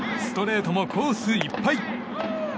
ストレートもコースいっぱい。